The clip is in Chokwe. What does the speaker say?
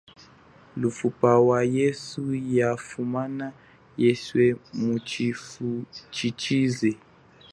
Lufuma wa yesu yafumana kweswe muchifuchichize.